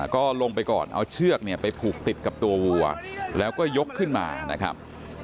ก็ลงไปก่อนเอาเชือกเนี่ยไปผูกติดกับตัววัวแล้วก็ยกขึ้นมานะครับ